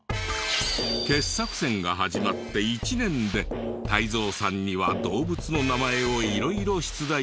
傑作選が始まって１年で泰造さんには動物の名前を色々出題しましたが。